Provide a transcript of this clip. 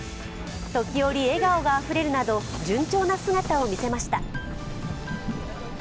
時折、笑顔があふれるなど、順調な姿を見せました。